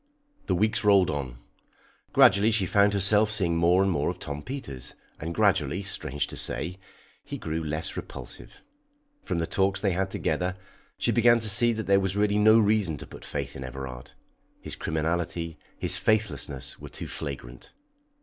The weeks rolled on. Gradually she found herself seeing more and more of Tom Peters, and gradually, strange to say, he grew less repulsive. From the talks they had together, she began to see that there was really no reason to put faith in Everard; his criminality, his faithlessness, were too flagrant.